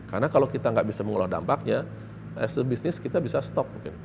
karena kalau kita nggak bisa mengolah dampaknya as a business kita bisa stop